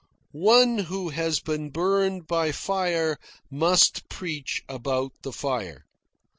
One who has been burned by fire must preach about the fire.